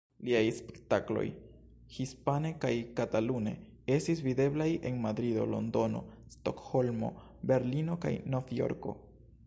Liaj spektakloj hispane kaj katalune estis videblaj en Madrido, Londono, Stokholmo, Berlino kaj Novjorko.